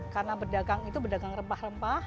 karena berdagang itu berdagang rempah rempah